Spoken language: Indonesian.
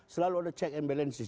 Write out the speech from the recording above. selalu ada check and balance